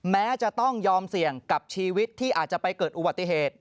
แม้จะต้องยอมเสี่ยงกับชีวิตที่อาจจะไปเกิดอุบัติเหตุ